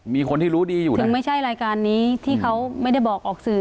มีคนที่รู้ดีอยู่ถึงไม่ใช่รายการนี้ที่เขาไม่ได้บอกออกสื่อ